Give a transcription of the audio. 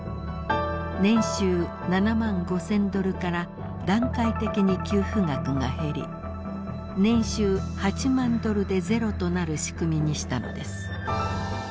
年収７万５，０００ドルから段階的に給付額が減り年収８万ドルでゼロとなる仕組みにしたのです。